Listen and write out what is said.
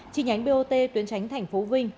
chi nhánh bot tuyến tránh thành phố vinh